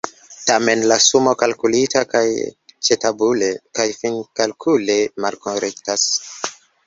Tamen la sumo kalkulita kaj ĉetabule kaj finkalkule malkorektas.